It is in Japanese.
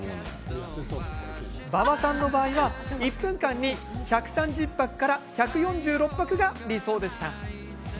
馬場さんの場合は、１分間に１３０拍から１４６拍が理想でした。